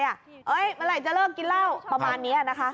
เมื่อไหร่จะเลิกกินเหล้าประมาณนี้นะคะ